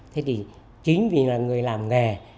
thế thì chính vì là người làm nghề